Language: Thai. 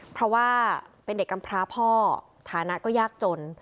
เพราะว่าเป็นเด็กกำพร้าพ่อฐานะก็ยากจน